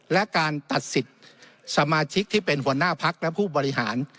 และการตัดสิทธิ์สมาชิกที่เป็นหัวหน้าพักและผู้บริหาร